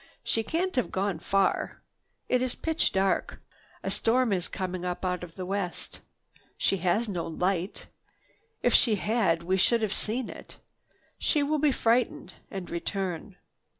"She can't have gone far. It is pitch dark. A storm is coming up out of the west. She has no light. If she had, we should have seen it. She will be frightened and return."